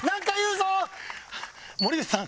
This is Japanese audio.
森口さん